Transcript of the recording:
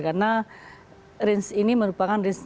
karena range ini merupakan range